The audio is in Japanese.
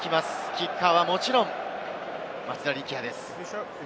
キッカーはもちろん松田力也です。